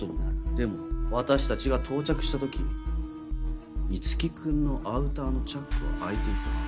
でも私たちが到着した時樹君のアウターのチャックは開いていた。